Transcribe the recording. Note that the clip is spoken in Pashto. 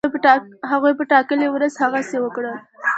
هغوی په ټاکلې ورځ هغسی وکړل.